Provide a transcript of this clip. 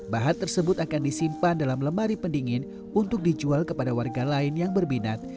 bahan tersebut akan disimpan dalam lemari pendingin untuk dijual kepada warga lain yang berminat